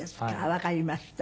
わかりました。